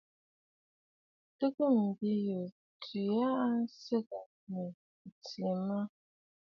Tɨgə bìꞌiyu tswe aa tsiꞌì nɨ̂ ǹtɨɨ mɔꞌɔ̀?